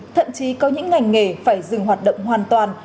thậm chí có những ngành nghề phải dừng hoạt động hoàn toàn